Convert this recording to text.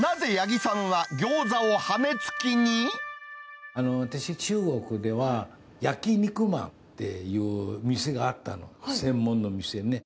では、私、中国では焼き肉まんっていう店があったの、専門の店ね。